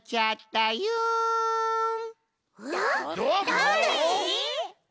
だれ？